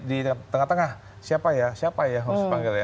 di tengah tengah siapa ya siapa yang harus dipanggil ya